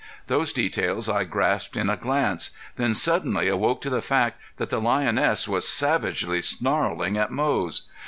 Those details I grasped in a glance, then suddenly awoke to the fact that the lioness was savagely snarling at Moze.